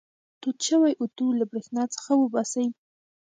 تود شوی اوتو له برېښنا څخه وباسئ.